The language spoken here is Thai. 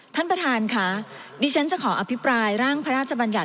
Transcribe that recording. ท่านประธานค่ะดิฉันจะขออภิปรายร่างพระราชบัญญัติ